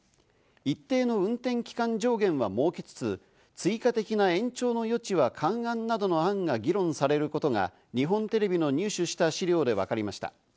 一定の運転期間上限は設けつつ、追加的な延長の余地は勘案などの案が議論されることが日本テレビの入手した資料で分かりました。